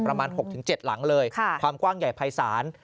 ประมาณ๖๗หลังเลยความกว้างใหญ่ภายศาล